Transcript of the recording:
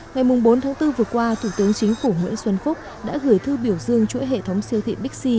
ngày bốn tháng bốn vừa qua thủ tướng chính phủ nguyễn xuân phúc đã gửi thư biểu dương chuỗi hệ thống siêu thị bixi